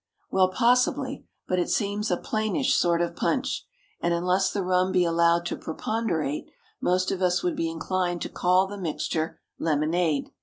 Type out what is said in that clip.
Well, possibly; but it seems a plainish sort of punch; and unless the rum be allowed to preponderate, most of us would be inclined to call the mixture lemonade.